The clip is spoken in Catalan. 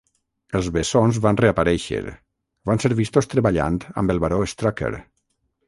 Els bessons van reaparèixer, van ser vistos treballant amb el baró Strucker.